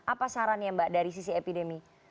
apa sarannya mbak dari sisi epidemi